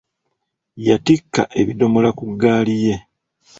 Yattikka ebiddomola ku ggaali ye.